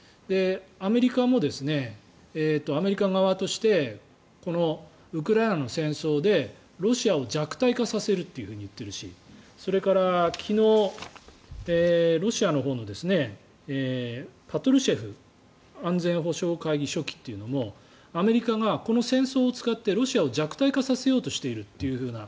アメリカも、アメリカ側としてこのウクライナの戦争でロシアを弱体化させると言っているしそれから昨日、ロシアのほうのパトルシェフ安全保障会議書記というのもアメリカがこの戦争を使ってロシアを弱体化させようとしているというような。